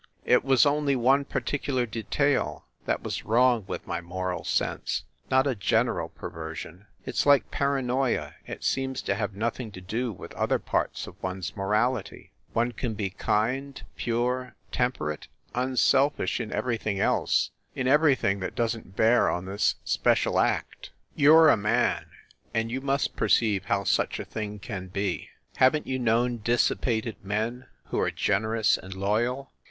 It was only one particular detail that was wrong with my moral sense, not a general perver sion. It s like paranoia ; it seems to have nothing to do with other parts of one s morality. One can be kind, pure, temperate, unselfish in everything else in everything that doesn t bear on this special act. You re a man, and you must perceive how such a thing can be. Haven t you known dissipated men who are generous and loyal?